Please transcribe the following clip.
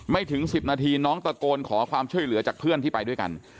ถึง๑๐นาทีน้องตะโกนขอความช่วยเหลือจากเพื่อนที่ไปด้วยกัน